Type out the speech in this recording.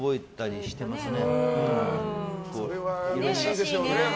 それはうれしいでしょうね